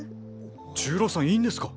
重郎さんいいんですか？